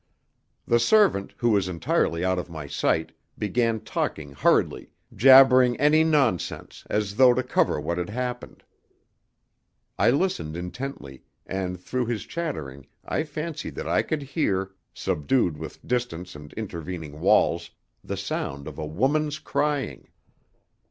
The servant, who was entirely out of my sight, began talking hurriedly, jabbering any nonsense, as though to cover what had happened. I listened intently, and through his chattering I fancied that I could hear subdued with distance and intervening walls the sound of a woman's crying.